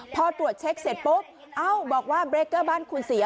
พอตรวจเช็คเสร็จปุ๊บเอ้าบอกว่าเบรกเกอร์บ้านคุณเสีย